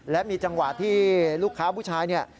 และมีจังหวะที่ลูกค้าผู้ชายเนี่ย